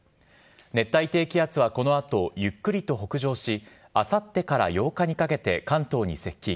熱帯低気圧はこのあと、ゆっくりと北上し、あさってから８日にかけて関東に接近。